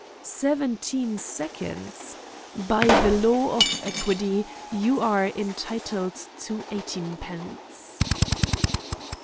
"Seventeen seconds! By the law of equity you are entitled to eighteenpence."